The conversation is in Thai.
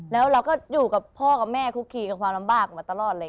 แล้วเราก็อยู่กับพ่อกับแม่คุกคีกับความลำบากมาตลอดเลย